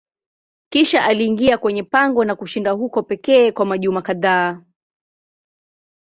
Kisha aliingia kwenye pango na kushinda huko pekee kwa majuma kadhaa.